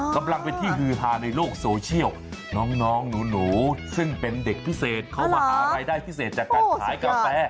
กำลังเป็นที่ฮือฮาในโลกโซเชียลน้องหนูซึ่งเป็นเด็กพิเศษเขามาหารายได้พิเศษจากการขายกาแฟ